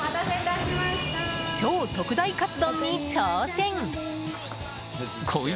超特大かつ丼に挑戦！